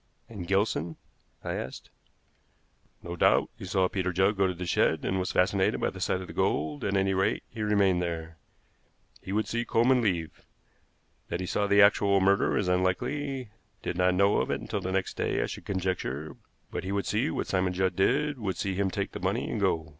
"And Gilson?" I asked. "No doubt he saw Peter Judd go to the shed, and was fascinated by the sight of the gold; at any rate, he remained there. He would see Coleman leave. That he saw the actual murder is unlikely, did not know of it until the next day, I should conjecture; but he would see what Simon Judd did, would see him take the money and go.